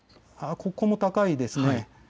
ここも高いですね。